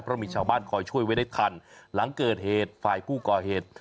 เพราะมีชาวบ้านคอยช่วยไว้ได้ทันหลังเกิดเหตุฝ่ายผู้ก่อเหตุ